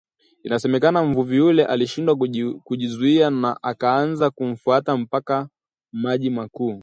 inasemekana mvuvi yule alishindwa kujizuia na akaanza kumfata mpaka maji makuu